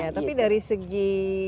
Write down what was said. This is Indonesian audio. tapi dari segi